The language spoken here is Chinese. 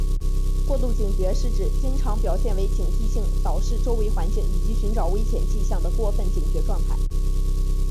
过度警觉是指经常表现为警惕地扫视周围环境以寻找危险迹象的过分警觉状态。